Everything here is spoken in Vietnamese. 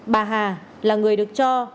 bà hà là người được cho